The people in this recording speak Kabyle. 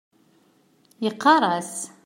Yeqqar-as .